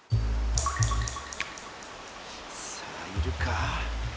さあいるか？